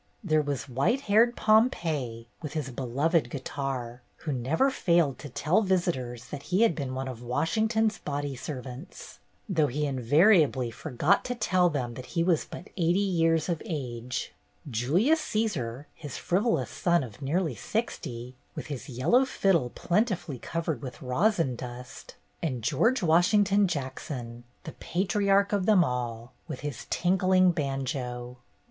There was white haired Pompey, with his beloved guitar, who never failed to tell visitors that he had been one of Washington's body servants, though he invariably forgot to tell them that he was but eighty years of age; J ulius Caesar, his frivolous son of nearly sixty, with his yellow fiddle plentifully covered with rosin dust; and George Washington Jackson, the patriarch of them all, with his tinkling banjo.